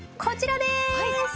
こちらです！